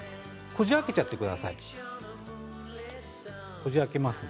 こじ開けちゃってください。